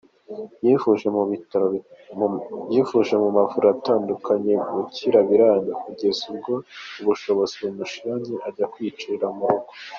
Yivuje mu mavuriro atandukanye gukira biranga, kugeza ubwo ubushobozi bumushiranye ajya kwiyicarira mu rugo.